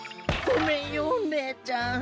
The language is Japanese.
ごめんよねえちゃん。